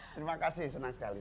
terima kasih senang sekali